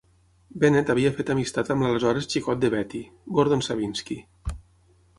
Bennett havia fet amistat amb l'aleshores xicot de Betty, Gordon Savinski.